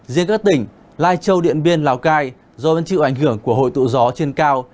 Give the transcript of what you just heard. riêng các tỉnh lai châu điện biên lào cai do vẫn chịu ảnh hưởng của hội tụ gió trên cao